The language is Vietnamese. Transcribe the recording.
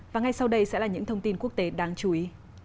và ngay sau đây sẽ là những thông tin quốc tế đáng chú ý